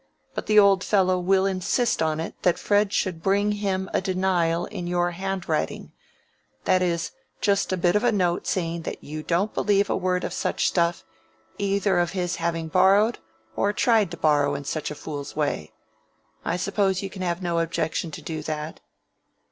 But the old fellow will insist on it that Fred should bring him a denial in your handwriting; that is, just a bit of a note saying you don't believe a word of such stuff, either of his having borrowed or tried to borrow in such a fool's way. I suppose you can have no objection to do that."